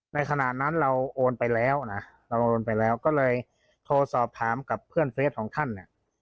ในขณะนั้นเราโอนไปแล้วนะเราโอนไปแล้วก็เลยโทรสอบถามกับเพื่อนเฟสของท่านเนี่ย